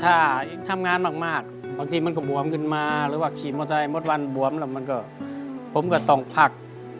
ถ้าทำงานมากบางทีมันก็บวมขึ้นมาหรือว่าขี่มอเตอร์ไซค์หมดวันบวมแล้วมันก็ผมก็ต้องพัก